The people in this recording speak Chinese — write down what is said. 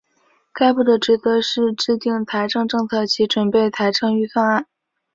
该部的职责是制定财政政策及准备财政预算案。